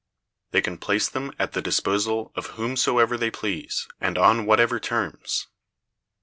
They can place them at the disposal of whomsoever they please, and on whatever terms.